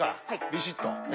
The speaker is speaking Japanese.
ビシッとね。